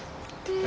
え？